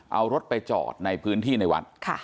เอารถไปจอดในพื้นที่ในวัด